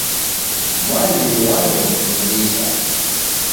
Mwalimu waw'efundisha.